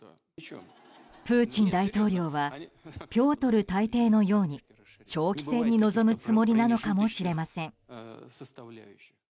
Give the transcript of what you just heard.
プーチン大統領はピョートル大帝のように長期戦に臨むつもりなのかもしれません。